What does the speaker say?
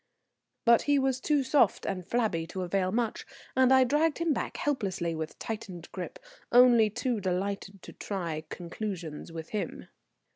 But he was too soft and flabby to avail much, and I dragged him back helplessly with tightened grip, only too delighted to try conclusions with him.